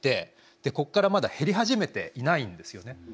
ここからまだ減り始めていないんですよね。